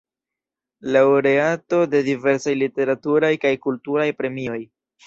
Laŭreato de diversaj literaturaj kaj kulturaj premioj.